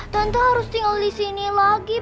tante harus tinggal disini lagi